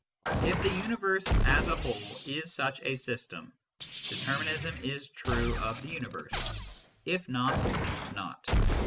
If the universe, as a whole, is such a system, determinism is true of the universe ; if not, not.